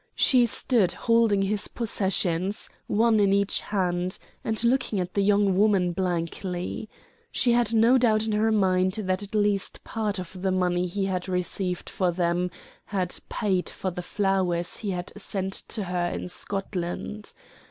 She stood holding his possessions, one in each hand, and looking at the young woman blankly. She had no doubt in her mind that at least part of the money he had received for them had paid for the flowers he had sent to her in Scotland.